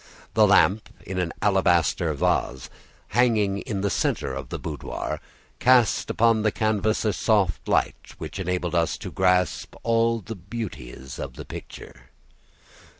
The lamp, in an alabaster vase, hanging in the centre of the boudoir, cast upon the canvas a soft light which enabled us to grasp all the beauties of the picture.